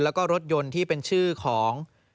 แล้วก็รถยนต์ที่เป็นชื่อของ